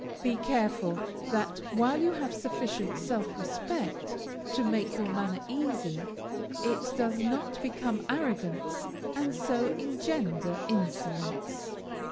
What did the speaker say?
Be careful that while you have sufficient self respect to make your manner easy, it does not become arrogance and so engender insolence.